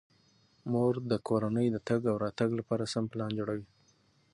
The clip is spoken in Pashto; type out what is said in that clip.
مور د کورنۍ د تګ او راتګ لپاره سم پلان جوړوي.